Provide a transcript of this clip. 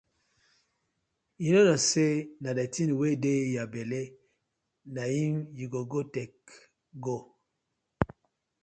Yu no kno say na di tin wey yah belle na im yu go take go.